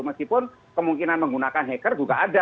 meskipun kemungkinan menggunakan hacker juga ada